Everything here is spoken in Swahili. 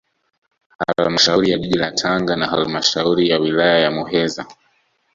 Halmashauri ya jiji la Tanga na halmashauri ya wilaya ya Muheza